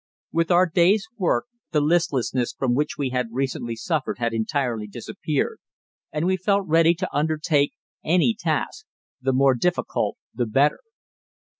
With our day's work the listlessness from which we had recently suffered had entirely disappeared, and we felt ready to undertake any task, the more difficult the better.